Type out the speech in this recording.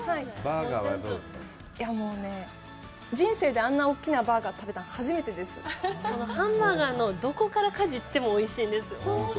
もうね人生であんな大きなバーガー食べたの初めてですハンバーガーのどこからかじってもおいしいんですよ